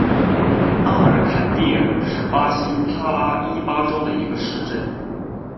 阿尔坎蒂尔是巴西帕拉伊巴州的一个市镇。